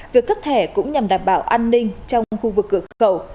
việc cấp thẻ cũng nhằm đảm bảo an ninh trong khu vực cửa khẩu